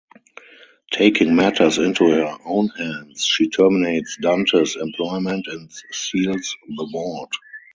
Taking matters into her own hands, she terminates Dante's employment and seals the vault.